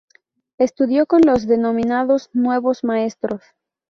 Estudió con los denominados Nuevos Maestros.